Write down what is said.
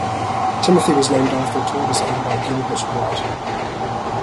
Timothy was named after a tortoise owned by Gilbert White.